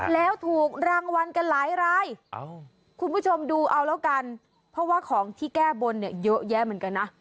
แล้วถูกรางวัลกันหลายรายคุณผู้ชมดูเอาแล้วกันเพราะว่าของที่แก้บนเนี่ยเยอะแยะเหมือนกันนะ